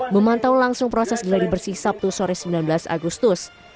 memantau langsung proses geladi bersih sabtu sore sembilan belas agustus